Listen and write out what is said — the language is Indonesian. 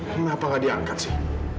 kenapa gak diangkat sih